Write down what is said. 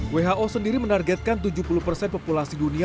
who sendiri menargetkan tujuh puluh persen populasi dunia